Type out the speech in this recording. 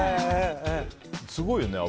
すごいよね、アブ。